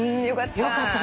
良かった。